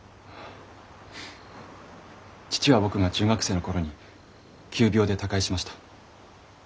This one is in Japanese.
父は僕が中学生の頃に急病で他界しました。